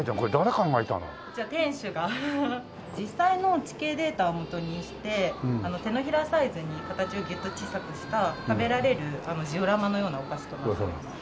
実際の地形データをもとにして手のひらサイズに形をギュッと小さくした食べられるジオラマのようなお菓子となっております。